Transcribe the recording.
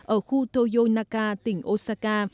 ở khu toyonaka tỉnh osaka